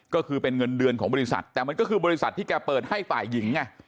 ก็คือเป็นเงินเดือนของบริษัทแต่มันก็คือบริษัทที่แกเปิดให้ฝ่ายหญิงไง